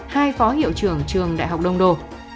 hai phó hiệu trưởng trường đại học đông đô